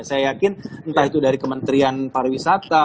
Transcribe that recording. saya yakin entah itu dari kementerian pariwisata